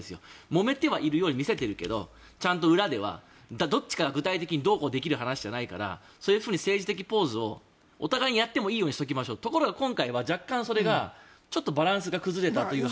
もめているように見せているけれども、裏では具体的にできる話じゃないから政治的ポーズをお互いにやってもいいようにしましょうところが今回は若干バランスが崩れたという。